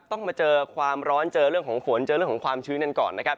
ต้องมาเจอความร้อนเจอเรื่องของฝนเจอเรื่องของความชื้นกันก่อนนะครับ